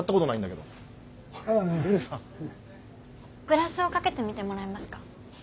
グラスをかけてみてもらえますか？